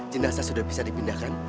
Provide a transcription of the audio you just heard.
jenasa sudah bisa dipindahkan